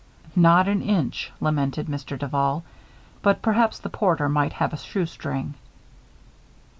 "Not an inch," lamented Mr. Duval. "But perhaps the porter might have a shoestring."